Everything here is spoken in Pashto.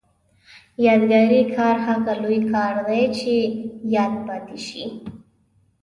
یادګاري کار هغه لوی کار دی چې یاد پاتې شي.